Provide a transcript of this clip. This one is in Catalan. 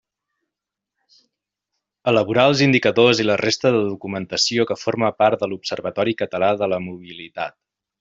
Elaborar els indicadors i la resta de documentació que forma part de l'Observatori Català de la Mobilitat.